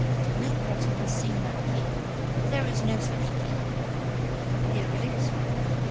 "No person has seen that key. There is no such key." "Here it is."